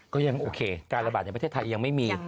ก็ยังโอเคการระบาดในประเทศไทยยังไม่มี